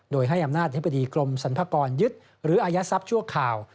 โดยให้อำนาจอธิบดีกรมสรรพากรยึดหรืออายัดทรัพย์ชั่วคราว